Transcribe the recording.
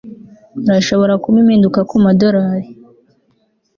urashobora kumpa impinduka kumadorari